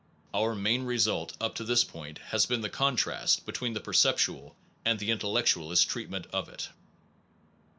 Our main result, up to this point, has been the contrast between the perceptual and the intel lectualist treatment of it.